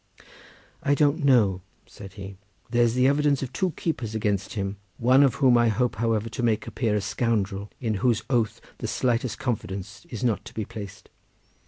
"I don't know," said he. "There's the evidence of two keepers against him; one of whom I hope, however, to make appear a scoundrel, in whose oath the slightest confidence is not to be placed.